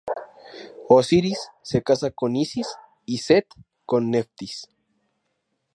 Osiris se casa con Isis, y Seth con Neftis.